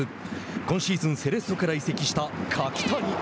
今シーズンセレッソから移籍した柿谷。